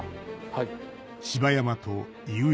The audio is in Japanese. はい。